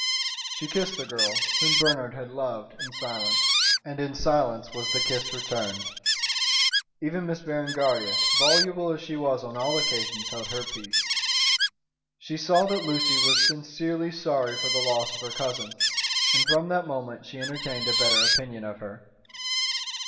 She kissed the girl, whom Bernard had loved, in silence; and in silence was the kiss returned. Even Miss Berengaria, voluble as she was on all occasions, held her peace. She saw that Lucy was sincerely sorry for the loss of her cousin, and from that moment she entertained a better opinion of her.